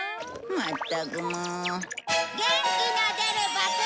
まったくもう。